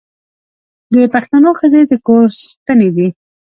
د پښتنو ښځې د کور ستنې دي.